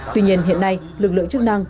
tuy nhiên hiện nay lực lượng chức năng